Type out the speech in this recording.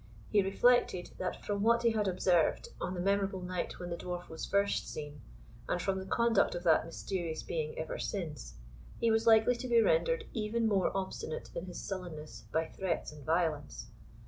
He reflected, that from what he had observed on the memorable night when the Dwarf was first seen, and from the conduct of that mysterious being ever since, he was likely to be rendered even more obstinate in his sullenness by threats and violence.